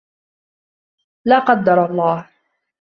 لا قدر الله!